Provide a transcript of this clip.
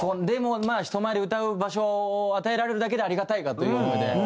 でも人前で歌う場所を与えられるだけでありがたいかという思いで。